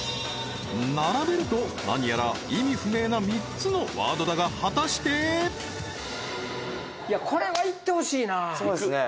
並べると何やら意味不明な３つのワードだが果たしていやこれはいってほしいなそうですね